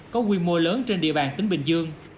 có quy mô lớn trên địa bàn tỉnh bình dương